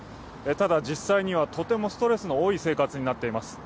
ただ、実際にはとてもストレスの多い生活になっています。